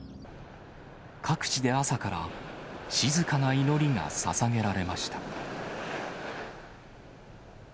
各地で朝から、静かな祈りがささげられました。